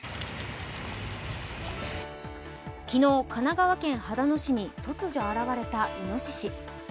昨日、神奈川県秦野市に突如現れたいのしし。